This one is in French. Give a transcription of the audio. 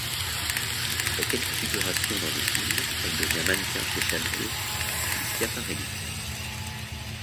Après quelques figurations dans des films, elle devient mannequin chez Chanel, puis Schiaparelli.